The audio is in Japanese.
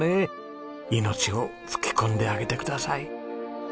命を吹き込んであげてください。